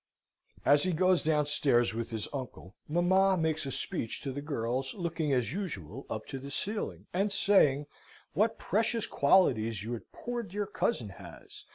As he goes downstairs with his uncle, mamma makes a speech to the girls, looking, as usual, up to the ceiling, and saying, "What precious qualities your poor dear cousin has!